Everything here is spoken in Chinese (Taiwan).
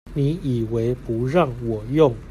你以為不讓我用